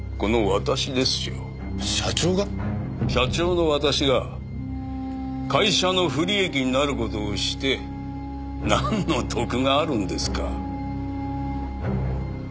社長が？社長の私が会社の不利益になる事をしてなんの得があるんですか。